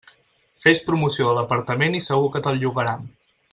Fes promoció de l'apartament i segur que te'l llogaran.